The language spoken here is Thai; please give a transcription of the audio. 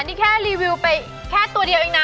นี่แค่รีวิวไปแค่ตัวเดียวเองนะ